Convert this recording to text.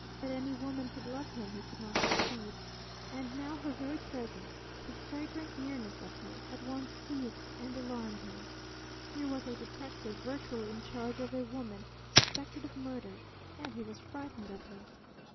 That any woman could love him he could not conceive. And now her very presence, the fragrant nearness of her, at once soothed and alarmed him. Here was a detective virtually in charge of a woman suspected of murder and he was frightened of her!